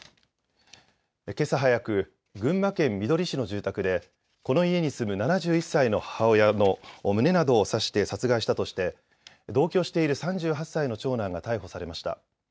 けさ早く群馬県みどり市の住宅でこの家に住む７１歳の母親の胸などを刺して殺害したとして同居している３８歳の長男が逮捕されました。